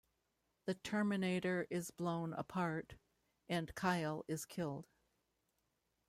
The Terminator is blown apart, and Kyle is killed.